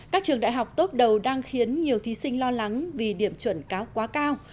các trường đại học tốt đầu đang khiến nhiều thí sinh lo lắng vì điểm chuẩn cao quá cao